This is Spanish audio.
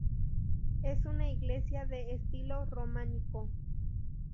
Es una iglesia de estilo románico.